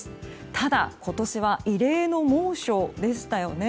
ただ今年は異例の猛暑でしたよね。